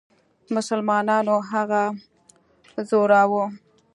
مسلمانانو هغه ځوراوه.